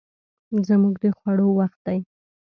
زموږ د خوړو وخت دی